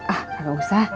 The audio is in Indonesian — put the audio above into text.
ah kagak usah